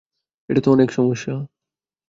এটা তো অনেক সমস্যা।